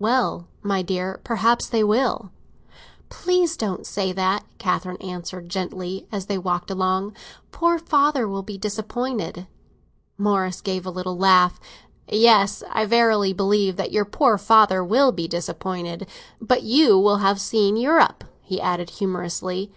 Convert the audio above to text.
"Well, my dear, perhaps they will!" "Please don't say that," Catherine answered gently, as they walked along. "Poor father will be disappointed." Morris gave a little laugh. "Yes, I verily believe that your poor father will be disappointed! But you will have seen Europe," he added humorously.